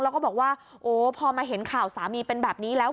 แล้วก็บอกว่าโอ้พอมาเห็นข่าวสามีเป็นแบบนี้แล้ว